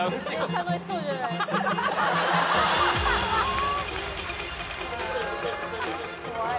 楽しそうじゃない。怖い。